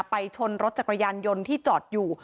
ไปชนรถจักรยานยนต์ที่จอดอยู่